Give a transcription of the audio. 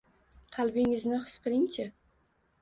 Qalbingizni his qiling-chi